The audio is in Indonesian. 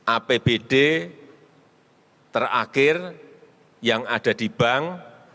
apbd terakhir yang ada di bank